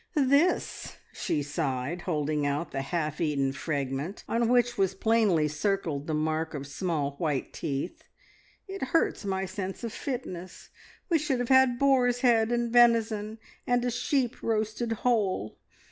"This!" she sighed, holding out the half eaten fragment, on which was plainly circled the mark of small white teeth. "It hurts my sense of fitness. We should have had boar's head and venison, and a sheep roasted whole.